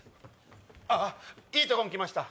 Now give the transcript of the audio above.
あっいいとこに来ました